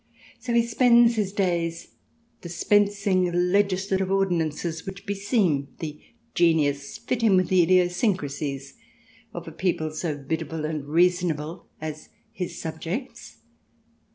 So he spends his days dispensing legislative ordinances which beseem the genius, fit in with the idiosyn crasies, of a people so biddable and reasonable as his subjects.